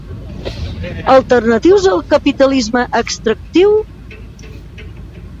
Alternatius al capitalisme extractiu?